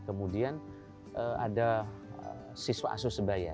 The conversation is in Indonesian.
kemudian ada siswa asosebaya